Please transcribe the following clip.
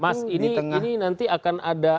mas ini nanti akan ada